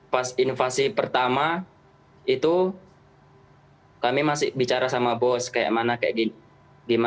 pas invasi pertama kami masih bicara sama bos tentang bagaimana perang untuk kita